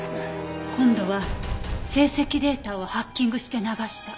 今度は成績データをハッキングして流した？